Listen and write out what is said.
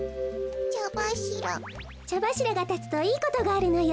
ちゃばしらがたつといいことがあるのよ。